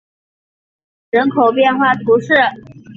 卢鲁德布布勒人口变化图示